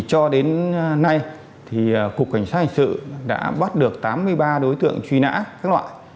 cho đến nay thì cục cảnh sát hành sự đã bắt được tám mươi ba đối tượng truy nã các loại